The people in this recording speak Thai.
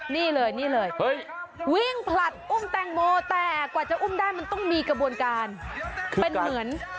นี่เลยนี่เลยวิ่งผลัดอุ้มแตงโมแต่กว่าจะอุ้มได้มันต้องมีกระบวนการเป็นเหมือน